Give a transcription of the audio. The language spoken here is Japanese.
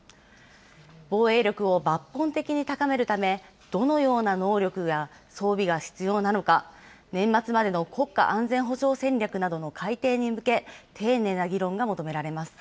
防衛力を抜本的に高めるため、どのような能力や装備が必要なのか、年末までの国家安全保障戦略などの改定に向け、丁寧な議論が求め